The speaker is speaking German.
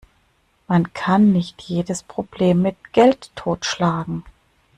Man kann nicht jedes Problem mit Geld totschlagen.